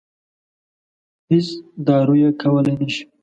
هېڅ دارو یې کولای نه شي.